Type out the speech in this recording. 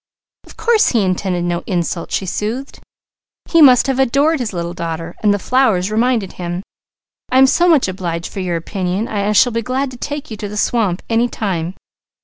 "Of course he intended no insult!" she soothed. "He must have adored his little daughter and the flowers reminded him. I am so much obliged for your opinion and I shall be glad to take you to the swamp any time.